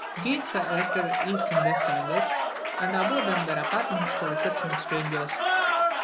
Gates were erected at the east and west angles, and above them were apartments for the reception of strangers.